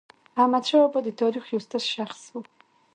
احمدشاه بابا د تاریخ یو ستر شخص و.